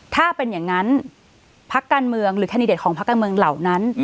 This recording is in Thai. ถ้าเป็นอย่างนั้นพักการเมืองหรือแคนดิเดตของพักการเมืองเหล่านั้น